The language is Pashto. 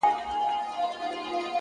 لوړ همت د خنډونو تر شا ګوري،